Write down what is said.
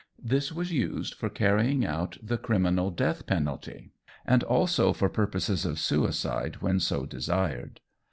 This was used for carrying out the criminal death penalty, and also for purposes of suicide when so desired.